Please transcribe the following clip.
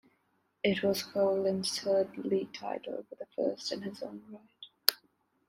It was Coughlin's third league title but the first in his own right.